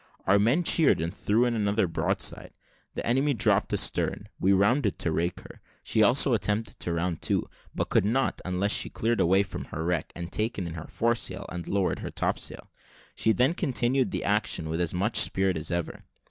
Our men cheered, and threw in another broadside. The enemy dropped astern; we rounded to rake her; she also attempted to round to, but could not until she had cleared away her wreck, and taken in her foresail, and lowered her topsail. She then continued the action with as much spirit as ever.